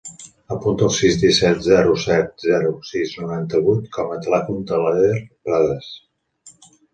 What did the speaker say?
Apunta el sis, disset, zero, set, zero, sis, noranta-vuit com a telèfon de l'Eder Pradas.